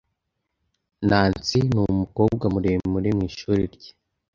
Nancy numukobwa muremure mu ishuri rye.